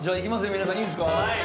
皆さんいいですか？